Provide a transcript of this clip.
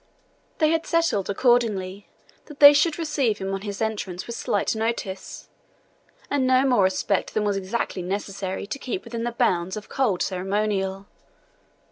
They had settled, accordingly, that they should receive him on his entrance with slight notice, and no more respect than was exactly necessary to keep within the bounds of cold ceremonial.